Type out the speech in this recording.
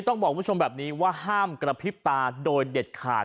ต้องบอกคุณผู้ชมแบบนี้ว่าห้ามกระพริบตาโดยเด็ดขาด